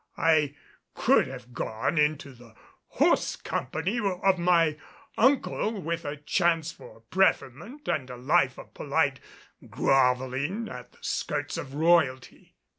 I could have gone into the horse company of my uncle with a chance for preferment and a life of polite groveling at the skirts of royalty.